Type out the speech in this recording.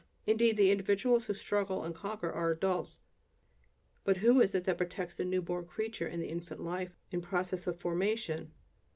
Indeed, the individuals who struggle and conquer are adults; but who is it that protects the new born creature and infant life in process of formation?